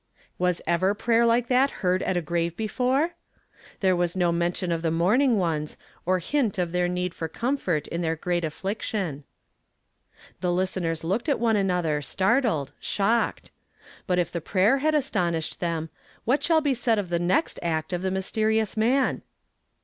Was ever pmyer like that heard at a f,n ave before? There was no mention of the mourning ones, nor hint of their need for comfort in their great aflliction. The listenei s looked at one another, startled, shocked. But if the prayer had astonished them, what shall be said of the next ret of this mysteri ous man ?